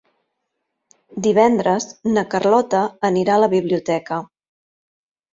Divendres na Carlota anirà a la biblioteca.